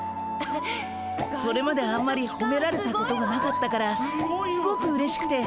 それまであんまりほめられたことがなかったからすごくうれしくて。